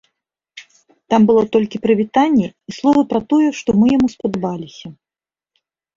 Там было толькі прывітанне і словы пра тое, што мы яму спадабаліся.